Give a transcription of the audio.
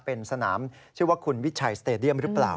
เป็นสนามชื่อว่าคุณวิชัยสเตดียมหรือเปล่า